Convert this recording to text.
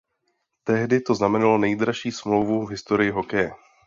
Tehdy to znamenalo nejdražší smlouvu v historii hokeje.